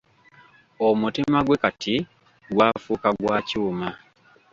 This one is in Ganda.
Omutima gwe kati gwafuuka gwa kyuma.